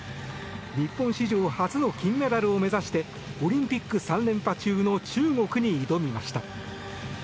日本史上初の金メダルを目指してオリンピック３連覇中の中国に挑みました。